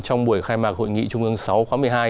trong buổi khai mạc hội nghị trung ương sáu khóa một mươi hai